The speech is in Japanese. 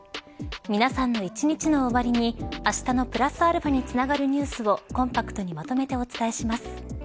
皆さんの一日の終わりにあしたのプラスαにつながるニュースをコンパクトにまとめてお伝えします。